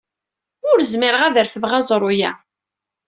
Ur zmireɣ ad refdeɣ aẓru-a.